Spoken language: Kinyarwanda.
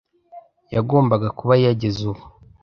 Yagombaga kuba yageze ubu.